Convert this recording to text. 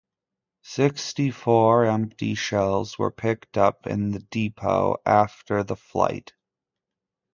Sixty-four empty shells were picked up in the depot after the fight.